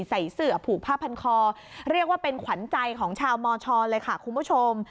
ใส่เสือผูกผ้าพันคอเรียกว่าเป็นขวัญใจของชาวมชเลยค่ะคุณผู้ชม